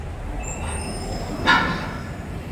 آیا تيري سوي شپې قضاء لري؟